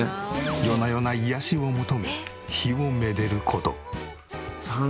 夜な夜な癒やしを求め火を愛でる事。